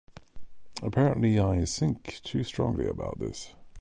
Apparently I think too strongly about this